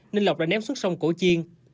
nên lọc đã ném xuống sông cổ chiên